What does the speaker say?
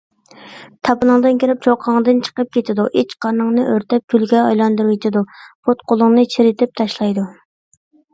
تاپىنىڭدىن كىرىپ چوققاڭدىن چىقىپ كېتىدۇ. ئىچ - قارنىڭنى ئۆرتەپ كۈلگە ئايلاندۇرۇۋېتىدۇ. پۇت - قولۇڭنى چىرىتىپ تاشلايدۇ.